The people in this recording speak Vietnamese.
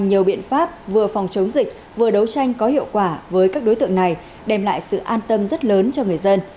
nhiều biện pháp vừa phòng chống dịch vừa đấu tranh có hiệu quả với các đối tượng này đem lại sự an tâm rất lớn cho người dân